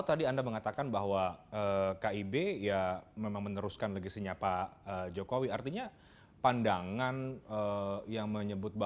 jadi harus dikoreksi